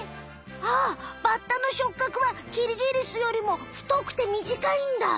あっバッタの触角はキリギリスよりもふとくてみじかいんだ。